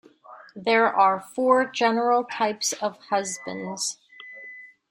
There are four general types of husbands.